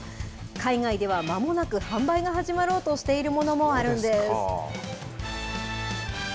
海外ではまもなく販売が始まろうとしているものもあるんです。